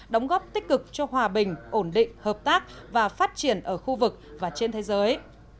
đóng góp tích cực cho hòa bình ổn định hợp tác và phát triển ở khu vực và trên thế giới